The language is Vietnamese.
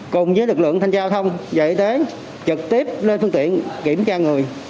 cùng với lực lượng thanh giao thông và y tế trực tiếp lên phương tiện kiểm tra người